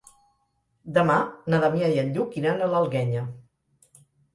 Demà na Damià i en Lluc iran a l'Alguenya.